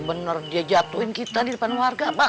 bener dia jatuhin kita di depan warga